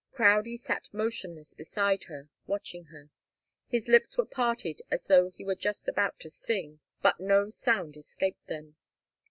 Crowdie sat motionless beside her, watching her. His lips were parted as though he were just about to sing, but no sound escaped them.